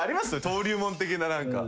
登竜門的な何か。